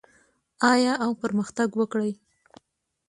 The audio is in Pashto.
آیا او پرمختګ وکړي؟